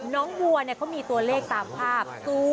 น้องบัวเขามีตัวเลขตามภาพ๐๐๖๙๙